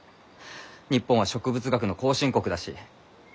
日本は植物学の後進国だし。